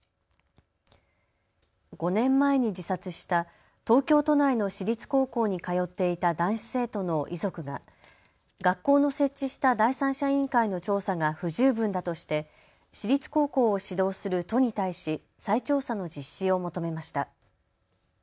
５年前に自殺した東京都内の私立高校に通っていた男子生徒の遺族が学校の設置した第三者委員会の調査が不十分だとして私立高校を指導する都に対し再調査の実施を求めました。